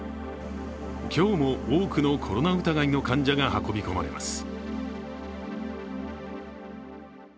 今日も、多くのコロナ疑いの患者が運び込まれます。